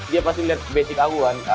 dia pasti lihat basic aku kan